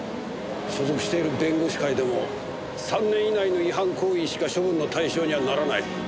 所属している弁護士会でも３年以内の違反行為しか処分の対象にはならない。